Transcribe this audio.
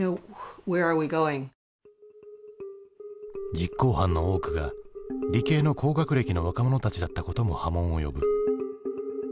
実行犯の多くが理系の高学歴の若者たちだったことも波紋を呼ぶ。